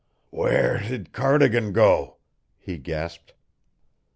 "Where did Cardigan go?" he gasped.